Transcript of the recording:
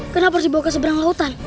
kenapa harus dibawa ke seberang lautan